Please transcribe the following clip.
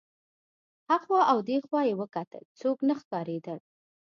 هخوا او دېخوا یې وکتل څوک نه ښکارېدل.